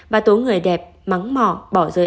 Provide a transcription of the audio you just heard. và tố người đẹp mắng mỏ bỏ rơi